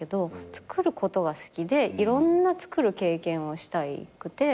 つくることが好きでいろんなつくる経験をしたくて。